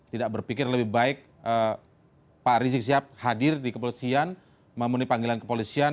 tidak berpikir lebih baik pak rizik sihab hadir di kepolisian memenuhi panggilan kepolisian